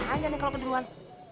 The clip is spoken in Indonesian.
raya bulu ada di beat